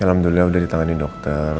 alhamdulillah udah ditangani dokter